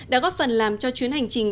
đã góp phần làm cho chuyến hành trình